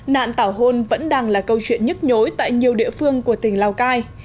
nạn tảo hôn vẫn đang là câu chuyện nhức nhối tại nhiều địa phương của tỉnh lào cai